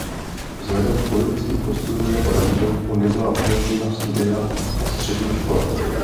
Vzhledem k politickým postojům jeho rodiny mu nebyla umožněna studia na střední škole.